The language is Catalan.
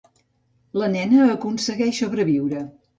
La nena aconsegueix sobreviure.